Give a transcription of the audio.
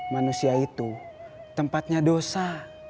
manusia itu tempatnya dosa